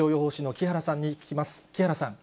木原さん。